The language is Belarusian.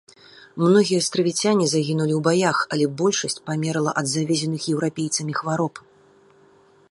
Многія астравіцяне загінулі ў баях, але большасць памерла ад завезеных еўрапейцамі хваробаў.